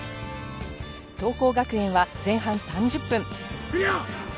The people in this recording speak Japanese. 桐光学園は前半３０分。